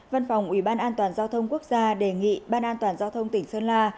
văn phòng ủy ban an toàn giao thông quốc gia đề nghị ban an toàn giao thông tỉnh sơn la